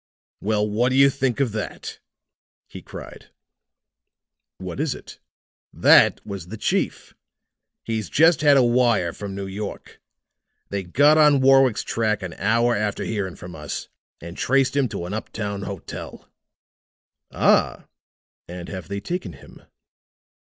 "Well, what do you think of that?" he cried. "What is it?" "That was the chief. He's just had a wire from New York. They got on Warwick's track an hour after hearing from us, and traced him to an up town hotel." "Ah! And have they taken him?"